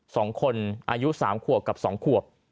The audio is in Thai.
สองคนอายุสามขวบกับสองขวบ